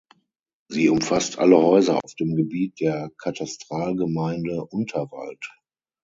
Sie umfasst alle Häuser auf dem Gebiet der Katastralgemeinde Unterwald.